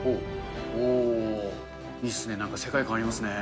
おー、いいっすね、なんか世界観ありますね。